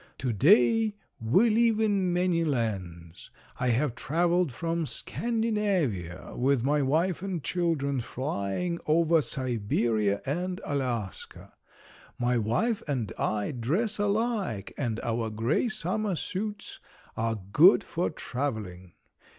Today we live in many lands. I have traveled from Scandinavia with my wife and children, flying over Siberia and Alaska. My wife and I dress alike and our gray summer suits are good for traveling.